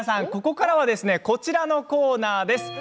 ここからはこちらのコーナーです。